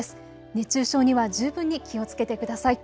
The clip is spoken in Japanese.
熱中症には十分に気をつけてください。